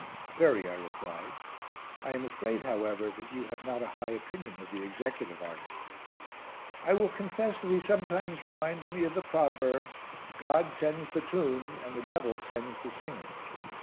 "Very," I replied. "I am afraid, however, that you have not a high opinion of the executive artist." "I will confess that he sometimes reminds me of the proverb, 'God sends the tune and the devil sends the singer.'"